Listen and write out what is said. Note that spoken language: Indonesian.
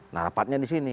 nah rapatnya disini